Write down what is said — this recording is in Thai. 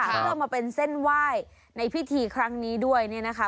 เพื่อมาเป็นเส้นไหว้ในพิธีครั้งนี้ด้วยเนี่ยนะคะ